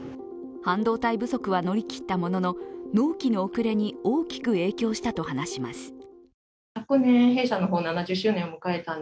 半導体不足は乗り切ったものの納期の遅れに大きく影響したと話します。